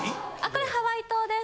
・これハワイ島です。